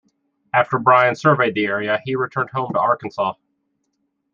After Bryan surveyed the area, he returned home to Arkansas.